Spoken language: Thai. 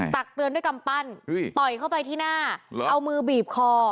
ตักเตือนด้วยกำปั้นต่อยเข้าไปที่หน้าเอามือบีบคอ